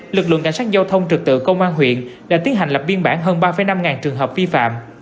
lực lượng cảnh sát giao thông trực tự công an huyện đã tiến hành lập biên bản hơn ba năm ngàn trường hợp vi phạm